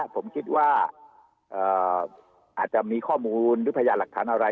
ผมคิดว่าอาจจะมีข้อมูลหรือพยานหลักฐานอะไร